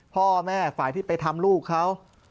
พ่อแม่ฝ่ายที่ไปทำลูกเขา